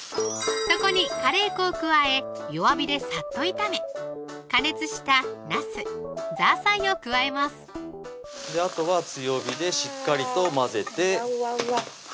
そこにカレー粉を加え弱火でサッと炒め加熱したなす・ザーサイを加えますあとは強火でしっかりと混ぜてうわうわ